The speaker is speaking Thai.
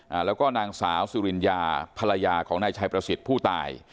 อ่าแล้วก็นางสาวสุริญญาภรรยาของนายชัยประสิทธิ์ผู้ตาย